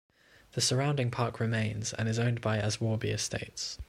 The surrounding park remains and is owned by Aswarby Estates.